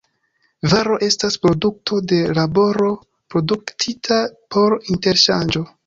Varo estas produkto de laboro, produktita por interŝanĝo.